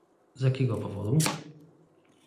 "z jakiego powodu?"